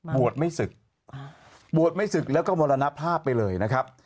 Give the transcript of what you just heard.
บวชไม่ศึกบวชไม่ศึกแล้วก็มรณภาพไปเลยนะครับ